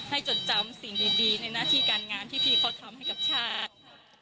ให้จดจำสิ่งดีในหน้างานที่เพียงเขาทำให้กับชาติ